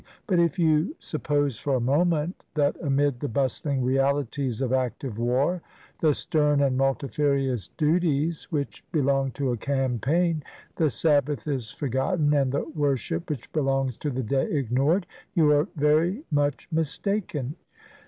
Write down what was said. But if you sup pose for a moment that amid the bustling realities of active war, the stern and multifarious duties which be long to a campaign, the Sabbath is forgotten, and the worship which belongs to the day ignored, you are very much mistaken.